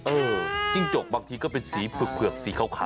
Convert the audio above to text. จิ้งจกบางทีก็เป็นสีเผือกสีขาว